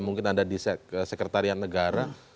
mungkin anda di sekretariat negara